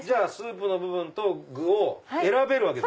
スープの部分と具を選べる。